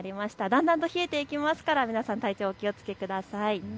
だんだんと冷えていきますから皆さん、体調お気をつけください。